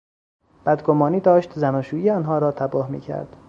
بدگمانی داشت زناشویی آنها را تباه میکرد.